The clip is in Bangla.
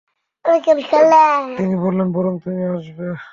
তিনি বললেন, বরং তুমি বসবে।